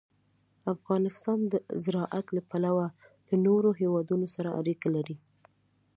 افغانستان د زراعت له پلوه له نورو هېوادونو سره اړیکې لري.